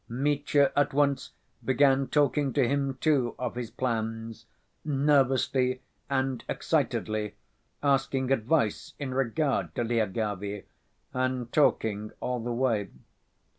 Mitya at once began talking to him, too, of his plans, nervously and excitedly asking advice in regard to Lyagavy, and talking all the way.